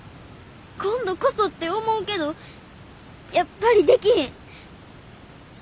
今度こそって思うけどやっぱりできひん。